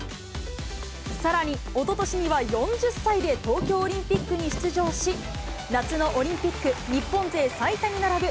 さらに、おととしには４０歳で東京オリンピックに出場し、夏のオリンピック日本勢最多に並ぶ